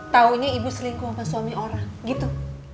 taunya ibu selingkuh sama suami orang gitu